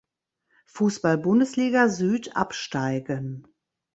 Fußball-Bundesliga Süd absteigen.